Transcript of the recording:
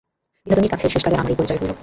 বিনোদিনীর কাছে কি শেষকালে আমার এই পরিচয় হইল।